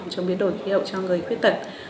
trong biến đổi khí hậu cho người khuyết tật